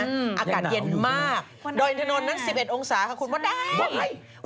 อากาศเย็นมากดอยทนนท์นั้น๑๑องศาค่ะคุณว่าได้